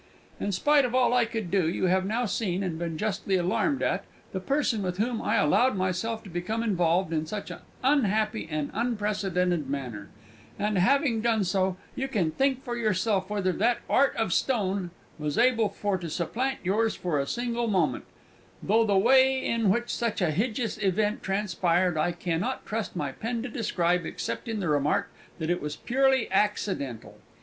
"In spite of all I could do, you have now seen, and been justly alarmed at, the Person with whom I allowed myself to become involved in such a unhappy and unprecedented manner, and having done so, you can think for yourself whether that Art of Stone was able for to supplant yours for a single moment, though the way in which such a hidgeous Event transpired I can not trust my pen to describe except in the remark that it was purely axidental.